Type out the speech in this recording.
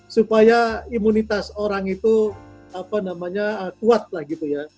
supaya imunitas orang itu kuat lah gitu ya